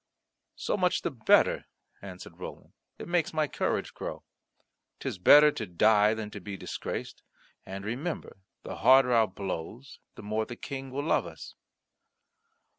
"So much the better," answered Roland. "It makes my courage grow. 'Tis better to die than to be disgraced. And remember, the harder our blows the more the King will love us."